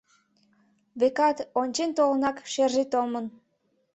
Векат, ончен толынак, шерже томын.